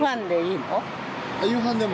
夕飯でも。